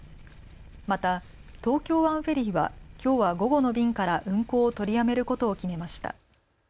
また東京湾フェリーはきょうは午後の便から運航を取りやめることを決めました。